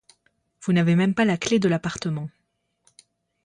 Vous n'avez même pas la clé de l'appartement.